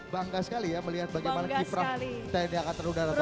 bangga sekali ya melihat bagaimana kiprah tni angkatan udara